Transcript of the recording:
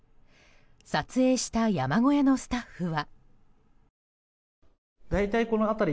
撮影した山小屋のスタッフは。